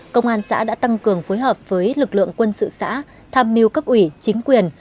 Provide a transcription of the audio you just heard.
công an xã đã tăng cường phối hợp với lực lượng quân sự xã tham mưu cấp ủy chính quyền